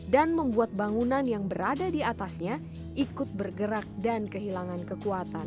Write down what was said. dan membuat bangunan yang berada di atasnya ikut bergerak dan kehilangan kekuatan